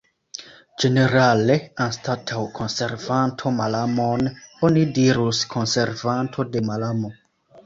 Ĝenerale, anstataŭ konservanto malamon, oni dirus konservanto de malamo.